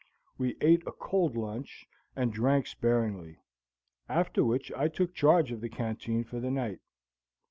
We ate a cold lunch, and drank sparingly; after which I took charge of the canteen for the night.